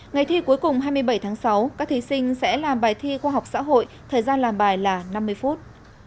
ngày thi cuối cùng hai mươi bảy tháng sáu các thí sinh sẽ làm bài thi khoa học xã hội thời gian làm bài là năm mươi phút